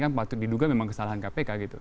kan patut diduga memang kesalahan kpk